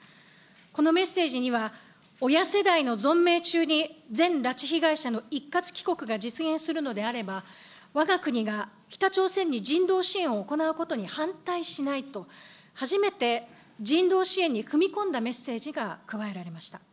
このメッセージには、親世代の存命中に全拉致被害者の一括帰国が実現するのであれば、わが国が北朝鮮に人道支援を行うことに反対しないと、初めて人道支援に踏み込んだメッセージが加えられました。